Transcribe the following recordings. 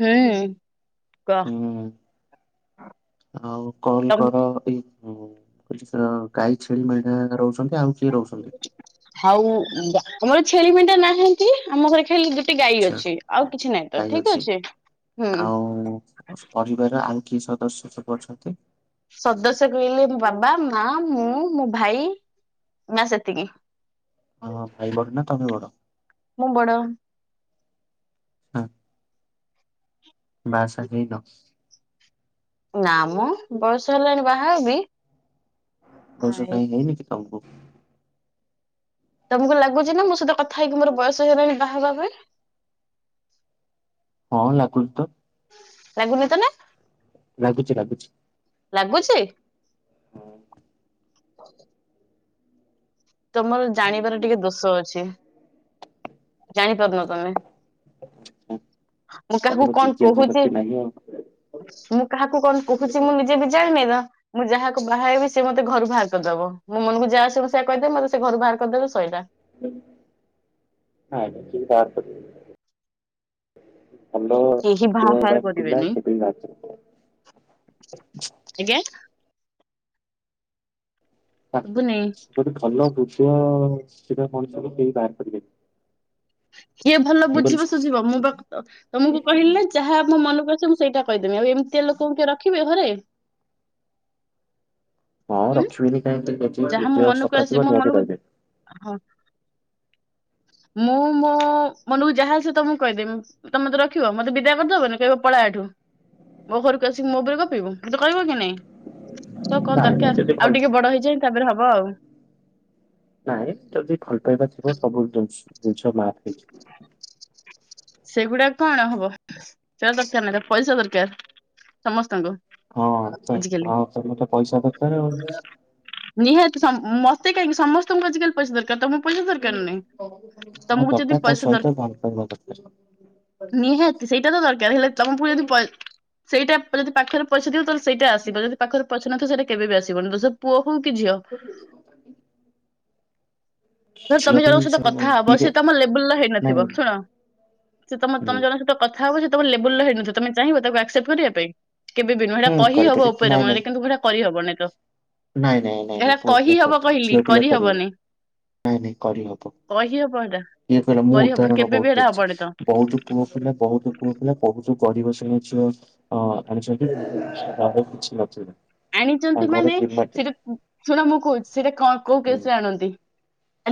ହୁଁ। କ ହୁଁ ଆଉ କଲ ତମ କର ଏଇ ଓ କହିଲି ସେ ଗାଈ ଛେଳି ମେଣ୍ଢା ରହୁଚନ୍ତି ଆଉ କିିଏ ରହୁଚନ୍ତି? ଆଉ ଆମର ଛେଳି ମେଣ୍ଢା ନାହାନ୍ତି ଆମ ଘରେ ଖା ଟେ ଗାଈ ଆଚ୍ଛା ଅଛି ଆଉ କିଛି ନହିଁ ତ ଠିକ ଅଛି ହୁଁ। ଆଉ ପରିବାରର ଆଉ କିିଏ ସଦସ୍ୟ ସବୁ ଅଛନ୍ତି? ସଦସ୍ୟ କହିଲେ ମୋ ବାବା ମା ମୁଁ ମୋ ଭାଇ ମା ସେତିକି। ଓହୋ, ଭାଇ ବଡ ନା ତମେ ବଡ? ମୁଁ ବଡ଼। ହଁ, ବାହା ସାହା ହେଇନ? ନା ମ ବୟସ ହେଲାଣି ବାହା ହେବି? ବୟସ ହାଏ। କାହିଁ ହେଇଁନି କି ତମକୁ? ତମକୁ ଲାଗୁଚି ନା ମୋ ସହିତ କଥା ହେଇକି ମୋର ବୟସ ହେଇଗଲାଣି ବାହା ହେବା ପାଇଁ? ହଁ ଲାଗୁନି ତ। ଲାଗୁନି ତ ନା? ଲାଗୁଚି ଲାଗୁଚି। ଲାଗୁଚି? ହଉ। ତମର ଜାଣିବାର ଟିକେ ଦୋଷ ଅଛି। ଜାଣିପାରୁନ ତମେ। ହଁ, ମୁଁ କାହାକୁ ତମର କଣ ଜିଜ୍ଞାସା କହୁଚି। ଶକ୍ତି ନାହିଁ ଆଉ। ମୁଁ କାହାକୁ କଣ କହୁଚି ମୁଁ ନିଜେ ବି ଜାଣିନି ନା। ମୁଁ ଯାହାକୁ ବାହା ହେବି ସେ ମତେ ଘରୁ ବାହାର କରିଦବ ମୋ ମନକୁ ଯାହା ଆସିବ ସେୟା କହିଦେ ମତେ ସେ ଘରୁ ବାହାର କରିଦେବେ ସଇଲା। ନାଇଁ ମ ସିଏ ବାହାରକରିବେନି। ଅଣ୍ଡ କେହି ବାହାର [unintelligible] ପିଲା କରିବେନି ସେ କାଇଁ ବାହାର କରିଦବ? ଆଜ୍ଞା? କରିବେନି। ଶୁଭୁନି। ଗୋଟେ ଭଲ ବୃଷ ସିଧ ମଣିଷକୁ କେହି ବାହାର କରିବେନି। କିଏ ଭଲ ମୁଁ ବୁଝିବ କହିଲି ସୁୁଝିବ ମୁଁ ପା ତମକୁ କହିଲି ନା ଯାହା ମୋ ମନକୁ ଆସିବ ମୁଁ ସେଇଟା କହିଦେମି ଆଉ ଏମିତିଆ ଲୋକଙ୍କୁ କିଏ ରଖିବେ ଘରେ। ହଁ ହୁଁ ରଖିବେନି କାହିଁକି କିଛି ଯାହା ମୋ ହୃଦୟ ମନକୁ ସଫା ଆସି ଥିବା ମୋ ନିହାତି ମନକୁ ରହିବେ। ହଁ। [inaudible] ମୁଁ ମୋ ମନକୁ ଯାହା ଆସିବ ତମକୁ ମୁଁ କହିଦେବି। ତମେ ରଖିବ ମତେ ବିଦା କରିଦବନି କହିବ ପଳା ଏଠୁ। ମୋ ଘରକୁ ଆସିକି ମୋ ଉପରେ ଗପିବୁ ମତେ କହିବ କି ନାଇଁ। ତ କଣ ନାଇଁ ନାଇଁ ଦରକାର ଯଦି ଭଲ ଆଉ ଟିକେ ବଡ ହେଇଯାଏ ତାପରେ ହବ ଆଉ। ନାଇଁ ଯଦି ଭଲ ପାଇବା ଥିବ ସବୁ ଜିନିଷ ମାଫ ହେଇଯିବ। ସେଗୁଡା କଣ ହବ ସେ ଦରକାର ନାହିଁ ପଇସା ଦରକାର ସମସ୍ତଙ୍କୁ। ହଁ ତ ଆଜିକାଲି ହଁ ତ ମତେ ପଇସା ଦରକାର ଆଉ। ନିହାତି ସମ୍ ମତେ କାହିଁକି ସମସ୍ତଙ୍କୁ ଆଜିକାଲି ପଇସା ଦରକାର ତମକୁ ପଇସା ଦରକାର ନାହିଁ ହଁ ତମକୁ ଯଦି ଦରକାର ତା ପଇସା ଦର ସହିତ ଭଲ ପାଇବା ଦରକାର। ନିହାତି ସେଇଟା ତ ଦରକାର ହେଲେ ତମ ପ ଯଦି ସେଇଟା ଯଦି ପାଖରେ ପଇସା ଥିବ ତ ସେଇଟା ଆସିବ ଯଦି ପାଖରେ ପଇସା ନଥାଏ ସେଟା କେବେ ବି ଆସିବନି ତ ସେ ପୁଅ ହଉ କି ଝିଅ। [unintelligible] ଧର ଝିଅ ତମେ ଜଣଙ୍କ ପାଇଁ ସହିତ ସବୁ କଥା ହବ ଦିରେ ସେ ତମ ଲେବୁଲର ନାଇଁ ହେଇନଥିବ ଶୁଣ ସେ ତମ ହୁଁ ତମ ଜଣଙ୍କ ସହିତ କଥା ହବ ସେ ତମେ ଲେବୁଲର ହେଇନଥିବ ତମେ ଚାହିଁବ ତାକୁ ଆକ୍ସେପ୍ଟ କରିବା ପାଇଁ। କେବେବି ନୁହଁ ହେଇଟା ହୁଁ କହି ହବ କରିପାରିବି ଉପରେ ନାଇଁ ନାଇଁ ମୁହଁରେ କିନ୍ତୁ ହେଟା କରିହବନି ତ। ନାଇଁ ନାଇଁ ନାଇଁ ଏଟା ନାଇଁ ପୁଅ ପିଲା କହିହବ କରିଚୁ କହିଲି ଝିଅ ପିଲା କରିହବନି କରିହବନି। ନାଇଁ ନାଇଁ କରିହବ କହିହବ ଏଟା କିଏ କହିଲା ମୁଁ କରିହବନି ଉଦାହରଣ କେବେ ବି ବହୁତ ଏଟା ଦେଖିଛି ହବନି ତ ବହୁତ ପୁଅ ପିଲେ ବହୁତ ପୁଅ ପିଲା ବହୁତ ଯୋଉ ଗରିବ ଶ୍ରେଣୀ ଝିଅ ହଁ ଆଣିଛନ୍ତି ତା ପାଖରେ କିଛି ନଥିବ। ଆଣିଛନ୍ତି ମାନେ ସେଇଟା ଶୁଣ ମୁଁ କହୁଛି ସେଇଟା କଣ କୋଉ ହୁଁ କେସରେ ହୁଁ ଆଣନ୍ତି।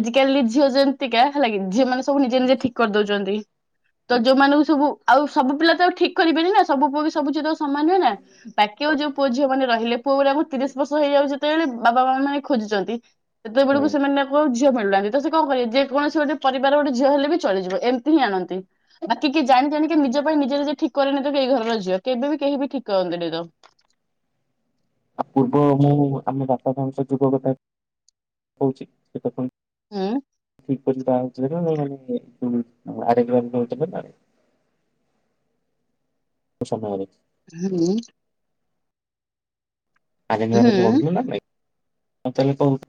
ଆଜିକାଲି ଝିଅ ଯେମତିକା ହେଲା କିି ଝିଅ ମାନେ ସବୁ ନିଜେ ନିଜେ ଠିକ କରିଦଉଛନ୍ତି। ତ ହୁଁ ଯୋଉମାନଙ୍କୁ ସବୁ ଆଉ ସବୁ ପିଲା ତ ଆଉ ଠିକ କରିବେନି ନା ସବୁ ପୁଅ ସବୁ ସମାନେ ନା ବାକି ଆଉୋ ଯୋଉ ପୁଅ ଝିଅ ମାନେ ରହିଲେ ପୁଅଗୁରାଙ୍କୁ ତିରିଶ ବର୍ଷ ହେଇଯାଉଛି। ସେତେବେଳେ ବାବା ମା ମାନେ ଖୋଜୁଛନ୍ତି ହୁଁ। ସେତେବେଳକୁ ସେମାନେ ପୁଅ ଆଉ ଝିଅ ମିଳୁନାହାନ୍ତି ତ ସେ କଣ କରିବେ ଯେକୌଣସି ଗୋଟେ ପରିବାର ଗୋଟେ ଝିଅ ହେଲେ ବି ଚଳିଯିବ ଏମତି ହିଁ ଆଣନ୍ତି। ବାକି କିଏ ଜାଣି ଜାଣିକି ନିଜ ପାଇଁ ନିଜ ନିଜେ ଠିକ କରେନି ତ ଏଇ ଘରର ଝିଅ କେବେ ବି କେହି ବି ଠିକ କରନ୍ତିନ ତ। ଆଉ ପୂର୍ବ ମୁଁ ଆମ ବାପା ମାଙ୍କ ସହ ଯୁଗ କଥା କହୁଛି ସେ ତ ପୁଣି ହୁଁ [inaudible] [inaudible] ହୁଁ। ଆରେଞ୍ଜ ମ୍ୟାରେଜ ହୁଁ ହଉଥିଲା ନା ନାଇ ଏବେ ତାହାଲେ କହୁ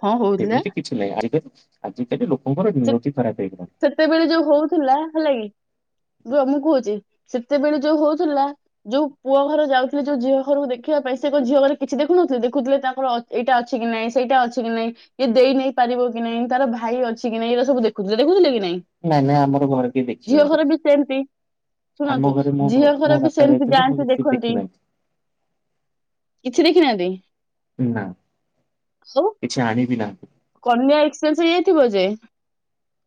କଣ କହୁଥିଲେ ଏମିତି କିଛି ନାହିଁ ଆ ଆଜିକାଲି ଲୋକଙ୍କର ସେ ନିଅତି ଖରାପ ହେଇଗଲାଣି। ସେତେବେଳେ ଯୋଉ ହଉଥିଲା ହେଲା କିି ରୁହ ମୁଁ କହୁଛି ସେତେବେଳେ ଯୋଉ ହଉଥିଲା। ଯୋଉ ପୁଅ ଘର ଯାଉଥିଲେ ଯୋଉ ଝିଅ ଘରକୁ ଦେଖିବା ପାଇଁ ସେ କଣ ଝିଅ ଘରେ କିଛି ଦେଖୁନଥିଲେ ଦେଖୁଥିଲେ ତାଙ୍କର ଏଇଟା ଅଛି କି ନାଇଁ ସେଇଟା ଅଛି କି ନାଇଁ ଇଏ ଦେଇ ନେଇ ପାରିବ କି ନାଇଁ ତାର ଭାଇ ଅଛି ଆସିକି ନାଇ ଏ ସବୁ ଦେଖୁଥିଲେ କି ନାଇଁ। ନାଇଁ ନାଇଁ ଆମର ଘର କିଏ ଦେଖି ଝିଅ ଘର ବି ସେମିତି। ଶୁଣନ୍ତୁ ଘରେ ମୋ ଝିଅ ମୋ ଘର ବି ବାପା ସେମିତି ଯାଇଥିଲେ ମୁଁ ଯାଆନ୍ତି ସେ ଦେଖନ୍ତି। ଦେଖିନାହାନ୍ତି କିଛି ଦେଖିନାହାନ୍ତି ନା ଆଉ। କିଛି ଆଣିବି ନାହାନ୍ତି। କନ୍ୟା ଏକ୍ସଚେଞ୍ଜ ହେଇ ଯାଇଥିବ ଯେ।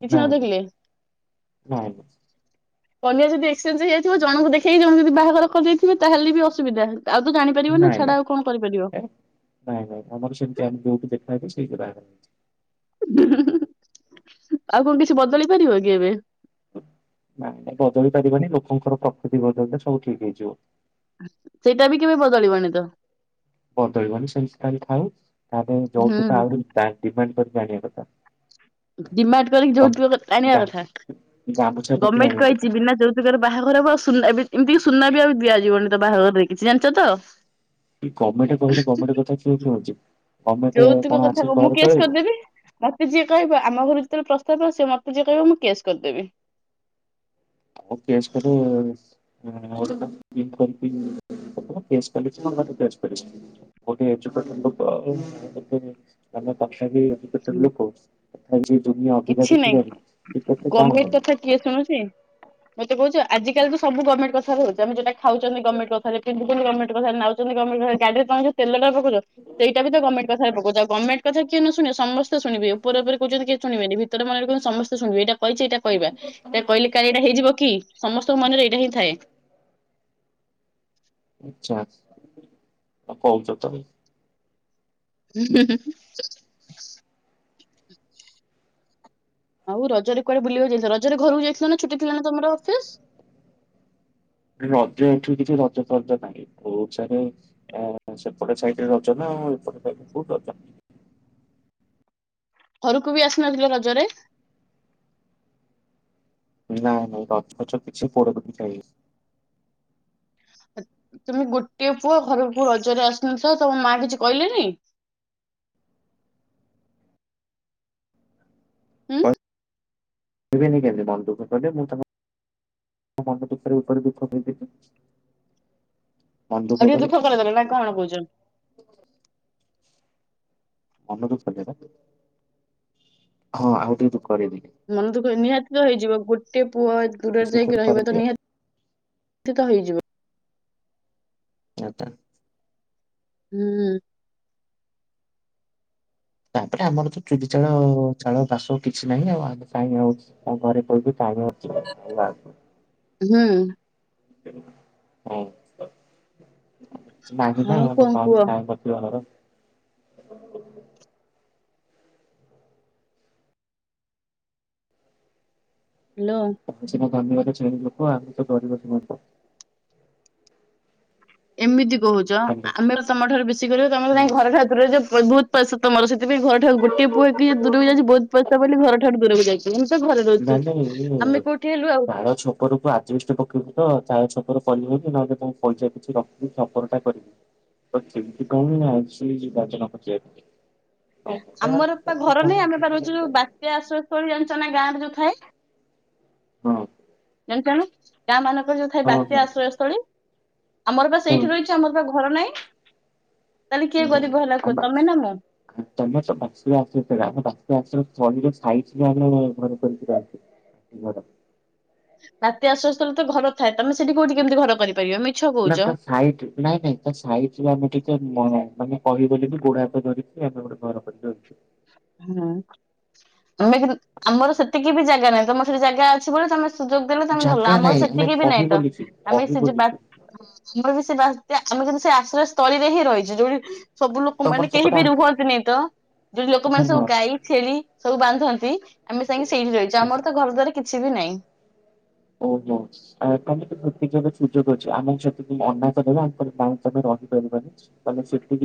କିଛି ନ ନାଇ ଦେଖିଲେ ନାଇ। କନ୍ୟା ଯଦି ଏକ୍ସଚେଞ୍ଜ ହେଇଯାଇିଥିବ ଜଣକୁ ଦେଖକି ଜଣକୁ ଯଦି ବାହାଘର କରିଦେଇଥିବା ତାହେଲେ ବି ଅସୁବିଧା ହେଲା। ଆଉ ତ ଜାଣିପାରିବନି ନାଇଁ ନାଇଁ ଛାଡ ଆଉ କଣ କରିପାରିବ। ନାଇଁ ନାଇଁ ନାଇଁ ଆମର [unintelligible] ସେଇଠି ବାହାଘର ହେଇଚି। ଆଉ କଁ କିଛି ବଦଳି ପାରିବ କି ଏବେ। ନାଇଁ ନାଇଁ ବଦଳି ପାରିବନି ଲୋକୋଙ୍କର ପ୍ରକୃତି ବଦଳିଲେ ସବୁ ଠିକ ହେଇଯିବ। ସେଇଟା ବି କେବେ ବଦଳିବନି ତ। ବଦଳିବନି ସେମିତି [unintelligible] ଥାଉ ତା ପାଇଁ ହୁଁ ଯୌତୁକ [unintelligible] କରିକି ଆଣିବା କଥା। ଡିମାଟ୍ କରିକି ତମେ ଯୌତୁକ କ ଆଣିବା ଗା କଥା ଗାମୁଛା ପକେଇ ଗମେଣ୍ଟେ ଆଣିବା କଥା କହିଚି ବିନା ଯୌ ତୁକରେ ବାହାଘର ହବ ଆଉ ସୁନା ଏବେ ଏମିତିିକି ସୁନା ବି ଆଉ ଦିଆଯିବନି ତ ବାହାଘରରେ କିଛି ଜାଣିଛ ତ। ଗମେଣ୍ଟେ କହିଲେ ଗମେଣ୍ଟେ କଥା କିଏ ଶୁଣୁଚି। ଯୌତୁକ କଥା କୁ ମୁଁ କେସ୍ କରିଦେବି। ମତେ ଯିଏ କହିବ ଆମ ଘରୁକୁ ଯେତୋବୋଳେ ପ୍ରସ୍ତାବ ଆସିବ ମତେ ଯିଏ କହିବ ମୁଁ କେସ କରିଦେବି। ଓ କେସ [unintelligible] [unintelligible] ବୋହୁତି ଏଯୁକେଟ୍ଡେ ଲୋକୋ ଆଉ [unintelligible] ଲୋକୋ। ତଥାବି ସେଇ ଦୁନିଆ ଅଧିକା କିଛି ନାଇଁ ଗଭର୍ଣ୍ଣମେଣ୍ଟ ଦେଖି [unintelligible] କଥା କିଏ ଶୁଣୁଛି ମତେ କୋହୁଚ ଆଜିିକାଲି ତ ସବୁ ଗମେଣ୍ଟେ କଥାରେ ହୋଉଚି ଆମେ ଯୋଉଟା ଖାଉଚନ୍ତି ହବ। ଗମେଣ୍ଟ କଥାରେ ପିନ୍ଧୁଚନ୍ତି ଗମେଣ୍ଟ କଥାରେ ନାଉଚନ୍ତୁ ଗମେଣ୍ଟ କଥାରେ ଗାଡ଼ିରେ ତମେ ଯୋଉ ତେଲଟା ପ କୋଉଚ ସେଇଡ଼ା ବି ତ ଗମେଣ୍ଟ କଥାରେ ପକୋଉଚ ଆଉ ଗମେଣ୍ଟ କଥା କିଏ ନ ଶୁଣିବ ସମସ୍ତେ ଶୁଣିବେ [unintelligible] କୋହୁଛନ୍ତି କି ଶୁଣିବେନି ଭିତର ମନରେ କନ୍ତୁ ସମସ୍ତେ ଶୁଣିବେ ଏଇଟା କହିଚି ଏଇଟା କହିିବା ଏଟା କହିଲେ କାଳେ ଏଟା ହେଇଯିବ କି। ସମସ୍ତଙ୍କ ମନରେ ଏଇଡ଼ା ହିଁ ଥାଏ। ଆଚ୍ଛା ଆଉ କୋହୁଚ। [unintelligible] [unintelligible] ଆଉ ରଜରେ କୁଆଡେ ବୁଲିବାକୁ ଯାଇଥିଲା ରଜରେ ଘରୁକୁ ଯାଇଥିଲ ନା ଛୁଟି ଥିଲା ନା ତମର ଅଫିସ। ରଜ ଏଠି କିଛି ରଜ ଫଜ [unintelligible] [unintelligible] ସେପଟେ ସାଇଟରେ ରଜ ନା ଆଉ ଏପଟ ସାଇଟରେ କୋଉଠି ରଜ। ଘରୁକୁ ବି ଆସିନଥିଲ ରଜରେ। ନାଇଁ ନାଇଁ ରଜ ଫଜ କିଛି ପୋଡୋ [unintelligible] ତୁମେ ଗୋଟିଏ ପୁଅ ଘରକୁ ରଜରେ ଆସିନଥିଲ ତମ ମା କିଛି କହିଲେନି। ହୁଁ କହିବେନି କେନ୍ତି ମନ ଦୁଃଖ କାଲେ ମୁଁ [unintelligible] ଅ ମନ ଦୁଖରେ [unintelligible] ଦୁଃଖ [unintelligible] ମନ ଆଉ ଟିକେ କଲେ ଦୁଃଖ କରେଇଦେଲ ନା କଣ କୋହୁଚ। ମନ ଦୁଃଖ [unintelligible] ହଁ ଆଉ ଟିକେ [unintelligible] ମନେ ଦୁଃଖ ନିହାତି ତ ହେଇଯିବ ଗୋଟେ ପୁଅ ଦୂରରେ ବେଶୀ ଦୁଃଖ ଯାଇକି ରହିବ କରେଇଲି ତ ନିହା ତିତ ହେଇଯିବ। [unintelligible] ହୁଁ। ତାପରେ ଆମର ତ [unintelligible] କିଛି ନାହିଁ ଆଉ ଆମେ କାଇଁ ଆଉ ଆଉ ଘରେ କୋଉଠି [unintelligible] ହୁଁ। ଆଉ କଣ କୁହ [unintelligible] ଘର। ହାଲୋ। ତମେ ସିନା ଧନୀ [unintelligible] ଶ୍ରେଣୀ ଲୋକୋ ଆମେ ତ ଗରିବ [unintelligible] ଏମିତି କୋହୁଚ ହ୍ୟାଲୋ ଆମେ ତମ ଠାରୁ ବେଶୀ ଗରିବ ତମର କାଇଁ ଘର ଠାରୁ ଦୂରରେ ଯୋଉ ପ ବୋହୁତ ପଇସା [unintelligible] ଥିପାଇଁ ଘର ଠାରୁ ଗୋଟିଏ ପୁଅ ହେଇକି ଯଦି ଦୂରକୁ ଯାଇଛି ବୋହୁତ ପଇସା ବୋଲି ଘର ଠାରୁ ଦୂରକୁ ଯାଇ ମୁଁ ତ ଘରେ [unintelligible] ନାଇଁ ନାଇଁ ଇଏ ଆମେ କୋଉଠି ହେଲୁ ଆଉ। [unintelligible] [unintelligible] ଚାଳ ଛପର କରିବି ବୋଲି [unintelligible] ଛପରଟା କରିବି। [unintelligible] [unintelligible] ତ୍ୟା ଆଶ୍ରୟ ସ୍ଥଳୀ ଜାଣିଚ ନା ଗାଁରେ ଯୋଉ ଥାଏ। ହଁ। ଣ କଣ ଗାଁ ମାନଙ୍କରେ ଯୋଉ ଥାଏ ବାତ୍ୟା ହଁ ଆଶ୍ରୟସ୍ଥଳୀ। ଆମର ପା ହଁ ସେଇଠି ରହିଛି ଆମର ପା ଘର ନାହିଁ ତାହେଲେ କିଏ ଗରିବ ହେଲା ଆମ କୁହ ତମେ ନା ମୁଁ। [inaudible] [inaudible] ବାତ୍ୟା ଆଶ୍ରୟସ୍ଥଳୀ ରେ ତ ଘର ଥାଏ ତମେ ସେଠି କୋଉଠି କେମିତି ଘର କରିପାରିବ। ନା କହୁଛ। ତା ସାଇ ନାଇଁ ନାଇଁ ତା ସାଇଟ ଆମେ ଟିକେ ମାନେ କରିବ ବୋଲି ଗୋଡା ହାତ ଧରିବୁ। [inaudible] ହୁଁ ଆମେ ଆମର ସେତିକି ବି ଜାଗା ନାହିଁ ତମର ସେଠି ଜାଗା ଅଛି ବୋଲି ତମେ ସୁଯୋଗ ଦେଲେ ତମେ ଧରିଲ ଜାଗା ଆମର ନାହିଁ ଆମେ ସେତିକି ବି ନାଇଁ କହିବୁ ତ ଲିପି ଆମେ ସେ କହିବୁ ଯଉ ହ ଲିପି ଆମର ବି ସେ ବାତ୍ୟା ବି ସେ ଆଶ୍ରୟ ସ୍ଥଳୀରେ ହିଁ ରହିଛ ଯୋଉଠି ସବୁ ଲୋକ ମାନେ ତମର କେହି ସେପଟେ ବି ଆଗ ରୁହନ୍ତିନି ତ ଯୋଠି ହଁ ଲୋକମାନେ ହଁ ସବୁ ଗାଈ ଛେଳି ସବୁ ବାନ୍ଧନ୍ତି ଆମେ ଯାଇକି ସେଇଠି ରହିଛୁ ଆଚ୍ଛା ଆଚ୍ଛା ଆମର ତ ଘର ଦ୍ୱାର କିଛି ବି ନାହିଁ। ଓହୋ। [inaudible] ମାନେ ସେଠି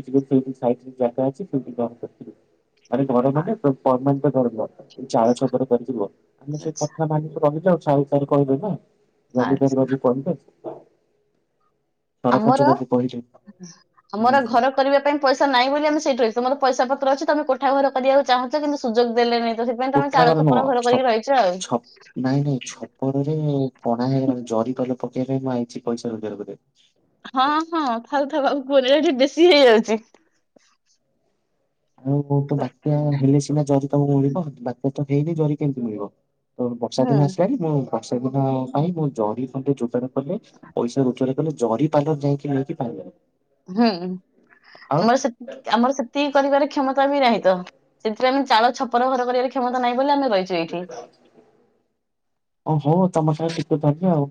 ଜାଗା ଅଛି ସେଠି କରିଥିଲୁ। ଘର ମାନେ ପର୍ମାନେଣ୍ଟ୍ ଘର ନୁହ। ଚାଳ ଛପର କରିଛୁ ଆମେ ସେ ଆଚ୍ଛା କଥା ମାନି ରହିଛୁ ଚାଳ ଛପର କରିକି ରହିବା। ରଦି ଟାଇପ୍ ର ଆଚ୍ଛା। ଯୋଉ କରିବେ। ଆମର ବାବୁ କହିଲେ। ଆମର ଘର କରିବା ପାଇଁ ପଇସା ନାହିଁ ବୋଲି ଆମେ ସେଇଠୁ ରହିଛୁ ତମର ପଇସା ପତ୍ର ଅଛି ତମେ କୋଠା ଘର କରିବାକୁ ଚାହୁଁଛ କିନ୍ତୁ ସୁଯୋଗ ଦେଲେନି। ଯୋଥିପାଇଁ ତମେ ଚାଳ ଛପର ଘର କରିକି ରହିଛ ଆଉ। ଛ ନାଇଁ ନାଇଁ ଛପରରେ କଣା ହେଇଗଲାଣି ଜରିପାଲ ପକେଇବା ପାଇଁ ମୁଁ ଆଇଛି ପଇସା ରୋଜଗାର କରିବାକୁ। ହଁ ହଁ ଥାଉ ଥାଉ ଆଉ କୁହନି ଏଟା ଟିକେ ବେଶୀ ହେଇଯାଉଛି। ଆଉ ତ ବାତ୍ୟା ହେଲେ ସିନା ଜରି ତବୁ ମିଳିବ ବାତ୍ୟା ତ ହେଇନି ଜରି କେମିତି ମିଳିବ। ତ ବର୍ଷା ହୁଁ ଦିନ ଆସିଲାଣି ମୁଁ ବର୍ଷା ଦିନ ପାଇଁ ମୁଁ ଜରି ଖଣ୍ଡେ ଯୋଗାଡ଼ କରେ। ପଇସା ରୋଜଗାର କଲେ ଜରି ପାଲ ଯାଇକି ନେଇକି ପାରିବି। ହୁଁ ଆମର ସେ ଆମର ସେତିକି କରିବାର କ୍ଷମତା ବି ନାହିଁ ତ ସେଥିରେ ଆମେ ଚାଳ ଛପର ଘର କରିବାର କ୍ଷମତା ନାହିଁ ବୋଲି ଆମେ ରହିଛୁ ଏଇଠି ଓ ହଉ ତମ ସାହି ଟିକେ ପାଖେ ଆଉ।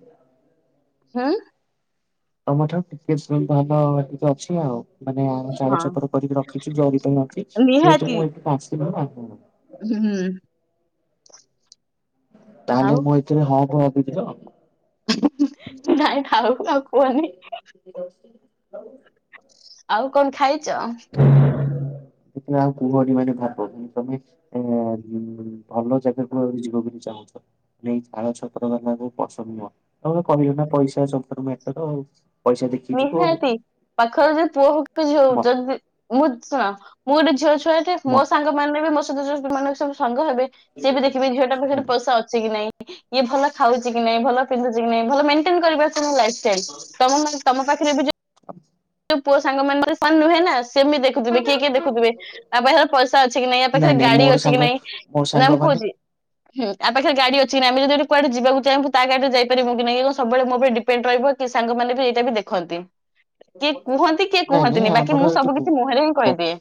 ହଁ। ତମ ଠାରୁ ଟିକେ ଭଲ ଅଛି ଆଉ। ମାନେ ଆମ ହଁ ଚାଡଛପର କରିକି ରଖିଛୁ ଜରି ପାଇଁ ଅଛି ଯେହେତୁ ନିହାତି ମୁଁ ଏଠି ଆସିଥିଲି ବା ହୁଁ। ତାହେଲେ ଆଉ ମୁଁ ଏଥିରେ ହଁ କୁ ଭାବି ଦେଇଦିଅ। ନାଇଁ ଥାଉ ଥାଉ କୁହନି। ଆଉ। ଆଉ କଣ ଖାଇଚ? [unintelligible] ଏ ଭଲ ଜାଗା କୁ ଆହୁରି ଯିବାକୁ ଚାହୁଁଛ। ନେଇ ଛାଳ ଛତ୍ର ବାଲାକୁ ପସନ୍ଦ ନୁହଁ। ତମେ କହିଲନା ପଇସା ସବୁ ଠାରୁ ମ୍ୟାଟର। ପଇସା ଦେଖିକି ଯିବ ଆଉ। ନିହାତି ପାଖରେ ଯୋଉ ପୁଅ ହଉଚି ଝିଅ ହ ମ ଉଚନ୍ତି। ମୁଁ ଶୁଣ ମୁଁ ଗୋଟେ ଝିଅ ଛୁଆଟେ ମ ମୋ ସାଙ୍ଗମାନେ ବି ମୋ ସହିତ ଯୋଉ ମାନ ସବୁ ସାଙ୍ଗ ହେବେ। ସିଏ ବି ଦେଖିବେ ଝିଅ ଟା ପାଖରେ ପଇସା ଅଛି କି ନାଇଁ ଇଏ ଭଲ ଖାଉଛି କି ନାଇଁ ଭଲ ପିନ୍ଧୁଚି ଭଲ ମେଣ୍ଟେନ୍ କରିପାରୁଛି ନା ଲାଇଫ୍ ଷ୍ଟାଇଲି ତମ ମାନେ ତମ ପାଖରେ ବି ଯୋଉ [unintelligible] ଗୋଟେ ପୁଅ ସାଙ୍ଗ ମାନେ ନୁହେଁ ନା ସେମିତି ଦେଖିତେ। ଦେଖୁଥିବେ କିଏ କିଏ ଦେଖୁଥିବେ ତା ପାଖରେ ପଇସା ଅଛି କି ନାଇଁ ଆ ପାଖରେ ଗାଡି ଅଛି କି ନାଇଁ? ମୋ ସାଙ୍ଗମାନେ। ହୁ ଆ ପାଖରେ ଗାଡି ଅଛି ଆମେ ଯଦି କୁଆଡେ ଯିବାକୁ ଚାହିଁବୁ ତା ଗାଡିରେ ଯାଇପାରିବୁ କି ନାହିଁ ଇଏ କଣ ସବୁବେଳେ ମୋ ଉପରେ ଡିପ୍ ଡିପେଣ୍ଟ୍ ରହିବ କି ସାଙ୍ଗମାନେ ଏଇଟା ବି ଦେଖନ୍ତି। କିଏ କୁହନ୍ତି କିଏ ନାଇଁ ନାଇଁ କୁହନ୍ତିନି ବାକି ମୁଁ ଆମର ଏଇଠି ସବୁ କିଛି ମୁହଁରେ ହିଁ ବ କହିଦିଏ।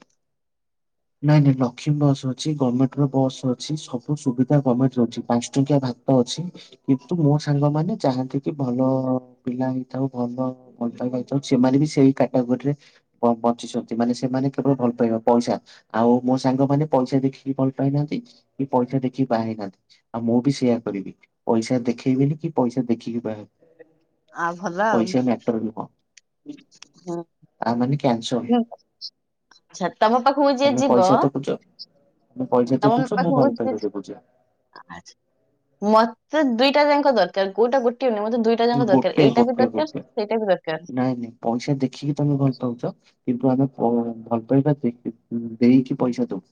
ନାଇଁ ନାଇଁ ଲକ୍ଷ୍ମୀ ବସ୍ ଅଛି ଗର୍ମେଣ୍ଟ ର ବସ୍ ଅଛି। ସବୁ ସୁବିଧା ଗର୍ମେଣ୍ଟ ଦୋଉଛି। ପାଞ୍ଚ ଟଙ୍କିଆ ଭା ତ ଅଛି। କିନ୍ତୁ ମୋ ସାଙ୍ଗ ମାନେ ଚାହାନ୍ତି କି? ଭଲ ପିଲା ହେଇଥାଉ ଭଲ ଭଲପାଇବା। ତ ସେମାନେ ବି ସେଇ କାଟାଗୋରିରେ ବଞ୍ଚିଛନ୍ତି। ମାନେ ସେମାନେ କେବଳ ଭଲ ପାଇବା ପଇସା ଆଉ ମୋ ସାଙ୍ଗମାନେ ପଇସା ଦେଖିକି ଭଲ ପାଇନାହାନ୍ତି। କି ପଇସା ଦେଖିକି ବାହା ହେଇନାହାନ୍ତି। ଆଉ ମୁଁ ବି ସେଇୟଆ କରିବି ପଇସା ଦେଖେଇବିନି। କି ପଇସା ଦେଖିକି ବାହା ହେବିନି। ଆଉ ଭଲ ଆଉ। ପଇସା ମ୍ୟାଟର ନୁହଁ। ହୁଁ ତା ମାନେ କ୍ୟାନ୍ସର ଆଚ୍ଛା ତମ ପାଖକୁ ଯିଏ ତମେ ଯିବ ପଇସା ଦେଖୁଛ। ତମେ ପଇସା ଦେଖୁଛ ମୁଁ ଭଲ ପାଇବା ଦେଖୁଛି। ଆଛା ମତେ ଦୁଇଟା ଯାକ ଦରକାର କୋଉଟା ଗୋଟିଏ ନୁହଁ ମତେ ଦୁଇ ଦିଇଟା ଜାକ ଦରକାର ଗୋଟେ ଏଇଟା ବି ଗୋଟେ ଦରକାର ଗୋଟେ ସେଇଟା ବି ଦରକାର। ନାଇଁ ନାଇଁ ପଇସା ଦେଖିକି ତମେ ଭଲ ପାଉଛ? କିନ୍ତୁ ଆମେ ଭଲ ପାଇବା ଦେଇ ଦେଇକି ପଇସା ଦଉ।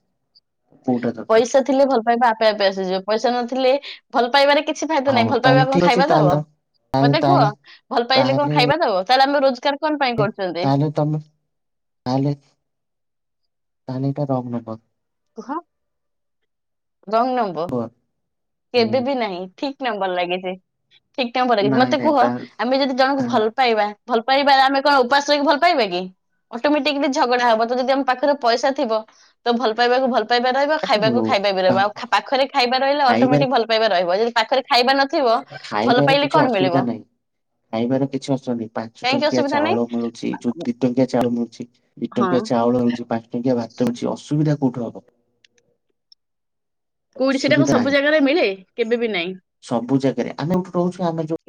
କୋଉଟା ଦରକାର ପଇସା ଥିଲେ ଭଲ ପାଇବା ଆପେ ଆପେ ଆସିଯିବ। ପଇସା ନଥିଲେ ଭଲ ପାଇବାରେ କିଛି ଫାଇଦା ହଁ ନାହିଁ ଭଲ ତାହେଲେ ପାଇବା କଣ ଠିକ ଅଛି ଖାଇବା ତାହେଲେ ଦବ। ତାହେଲେ ମତେ କୁହ ତାହେଲେ ଭଲ ପାଇଲେ କଣ ତାହେଲେ ଖାଇବା ଦବ ତାହେଲେ ଆମେ ରୋଜଗାର କଣ ପାଇଁ କରୁଛନ୍ତି ତାହେଲେ ତମେ ତାହେଲେ ତାହେଲେ ଏଇଟା ରଙ୍ଗ ନମ୍ୱର। କୁହ। ରଙ୍ଗ ନମ୍ବର। କେବେ ବି ନାହିଁ ଠିକ୍ ନମ୍ବର ଲାଗିଛି ଠିକ୍ ନମ୍ବର ଲାଗଛି ନାଇଁ ମତେ ନାଇଁ କୁହ। ତାହେଲେ ଆମେ ଯଦି ଜଣଙ୍କୁ ହଁ, ଭଲ ପାଇବା ଭଲ ପାଇବା ଆମେ କଣ ଉପାସ ଶୋଇକି ଭଲ ପାଇବା କି? ଅଟୋମେଟିକି ଝଗଡା ହବ ତ ଯଦି ଆମ ପାଖରେ ପଇସା ଥିବ ତ ଭଲ ପାଇବାକୁ ଭଲ ପାଇବା ରହିବ ଆରେ ମୋ ଖାଇବାକୁ ଖାଇବା ବି ରହିବ। ବାପ, ଆଉ ପାଖରେ ଖାଇବା ରହିଲେ ଖାଇବାରେ ଅଟୋମେଟିକି ଭଲ ପାଇବା ରହିବ। ଯଦି ପାଖରେ ଖାଇବା ନ ଖାଇବାର କିଛି ଅସୁବିଧା ନାହିଁ। ଖାଇବାର କିଛି ଅସନି ପାଞ୍ଚ କାହିଁକି ଟଙ୍କିଆ ଅସୁବିଧା ନାହିଁ ଚାଉଳ ମିଳୁଛି। ଚୁ ଦି ଟଙ୍କିଆ ଚାଉଳ ମିଳୁଛି ଦି ହଁ ଟଙ୍କିଆ ଚାଉଳ ମିଳୁଛି ପାଞ୍ଚ ଟଙ୍କିଆ ଭାତ ମିଳୁଛି। ଅସୁବିଧା କୋଉଠୁ ହବ? କୋଉଠି ସେଇଟା କଣ ଅସୁବିଧା ସବୁ ନାହିଁ ଜାଗାରେ ମିଳେ କେବେ ବି ନାହିଁ। ସବୁ ଜାଗାରେ ଆମେ ଏଉଠୁ ରହୁଛୁ ଆମେ ଯଉ